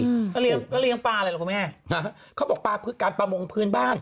แล้วเลี้ยงปลาอะไรหรอคุณแม่เขาบอกปลาคือการประมงพื้นบ้าน